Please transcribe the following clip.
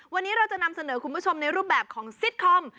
วันนี้เราจะนำเสนอคุณผู้ชมในรูปแบบของซิตคอม